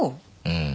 うん。